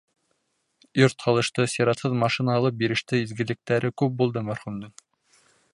Йорт һалышты, сиратһыҙ машина алып биреште, изгелектәре күп булды мәрхүмдең.